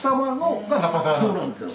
そうなんですよ。